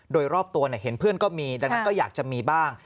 โดยรอบตัวเห็นเพื่อนก็มีดังนั้นก็อยากจะมีบ้าง